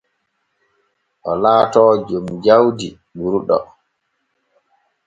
O laatoo jom jawdi ɓurɗo.